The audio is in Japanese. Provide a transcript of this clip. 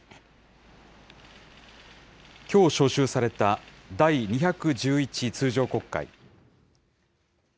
きょう召集された第２１１通常国会。